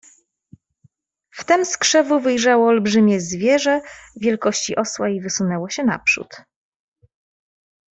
"Wtem z krzewu wyjrzało olbrzymie zwierzę wielkości osła i wysunęło się naprzód."